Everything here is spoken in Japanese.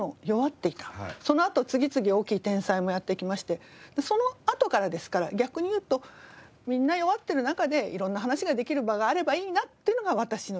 そのあと次々大きい天災もやって来ましてそのあとからですから逆にいうとみんな弱ってる中でいろんな話ができる場があればいいなっていうのが私の気持ちです。